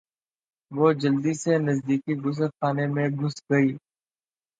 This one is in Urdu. وہ جلدی سے نزدیکی غسل خانے میں گھس گئی۔